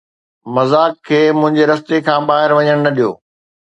مذاق کي منهنجي رستي کان ٻاهر وڃڻ نه ڏيو